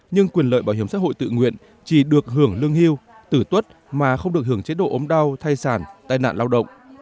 nhưng quyền lợi bảo hiểm xã hội tự nguyện chỉ được hưởng lương hưu tử tuất mà không được hưởng chế độ ốm đau thai sản tai nạn lao động